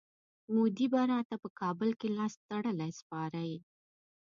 مودي به راته په کابل کي لاستړلی سپارئ.